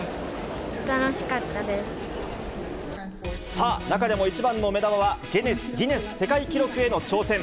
さあ、中でも一番の目玉は、ギネス世界記録への挑戦。